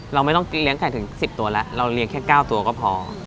เราไม่ต้องเลี้ยงไก่ถึง๑๐ตัวแล้วเราเลี้ยงแค่๙ตัวก็พอ